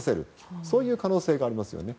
そういう可能性はありますね。